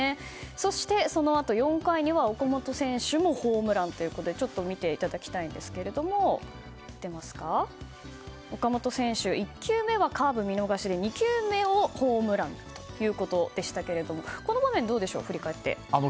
そして、そのあと４回には岡本選手もホームランで見ていただきたいんですが岡本選手１球目はカーブ見逃しで２球目をホームランということでしたがこの場面振り返ってどうでしょう。